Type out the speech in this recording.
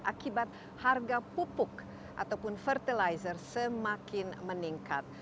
akibat harga pupuk ataupun fertilizer semakin meningkat